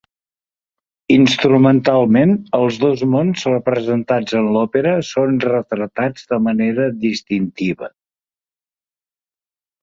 Instrumentalment els dos mons representats en l’òpera són retratats de manera distintiva.